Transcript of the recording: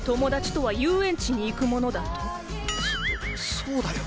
そそうだよ。